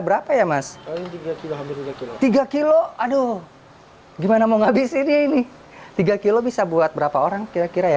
berapa ya mas tiga kg aduh gimana mau ngabisin ini tiga kg bisa buat berapa orang kira kira ya